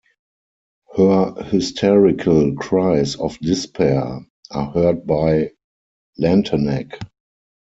Her hysterical cries of despair are heard by Lantenac.